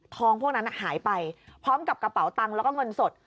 พวกนั้นหายไปพร้อมกับกระเป๋าตังค์แล้วก็เงินสด